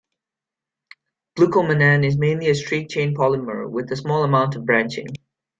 Glucomannan is mainly a straight-chain polymer, with a small amount of branching.